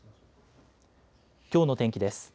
きょうの天気です。